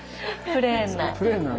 プレーンな。